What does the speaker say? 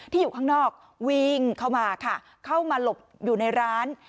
อยู่ข้างนอกวิ่งเข้ามาค่ะเข้ามาหลบอยู่ในร้าน